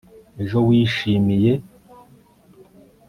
ejo wishimiye